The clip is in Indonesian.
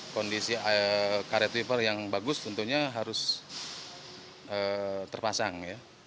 kondisi karet wiper yang bagus tentunya harus terpasang